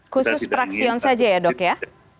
khusus praksion saja ya dok ya